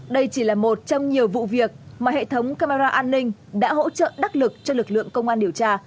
đây chỉ là một trong nhiều vụ việc mà hệ thống camera an ninh đã hỗ trợ đắc lực cho lực lượng công an điều tra